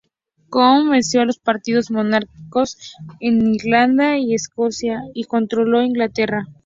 Cromwell venció a los partidarios monárquicos en Irlanda y Escocia y controló Inglaterra.